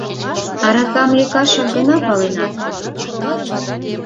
Аракам лӧкашак гына паленат...